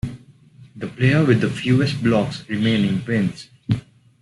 The player with the fewest blocks remaining wins.